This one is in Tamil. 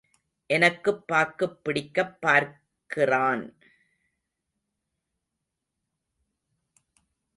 எனக்குப் பாக்குப் பிடிக்கப் பார்க்கிறான்.